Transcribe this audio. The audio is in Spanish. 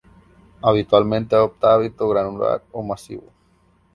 Habitualmente adopta hábito granular o masivo.